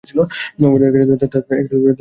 তাকে ছাড়বে না।